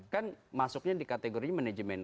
kan masuknya di kategori manajemen